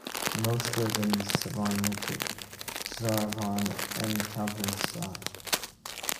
Most live in Savannakhet, Saravan, and Champassack.